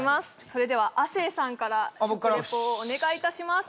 それでは亜生さんから食レポをお願いいたします